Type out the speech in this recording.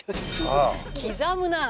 刻むなあ。